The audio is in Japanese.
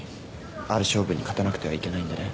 ある勝負に勝たなくてはいけないんでね。